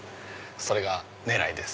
それが狙いです。